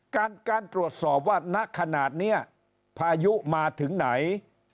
การการตรวจสอบว่าณขนาดนี้พายุมาถึงไหน